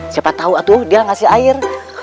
siapa tahu atuh dia ngasih air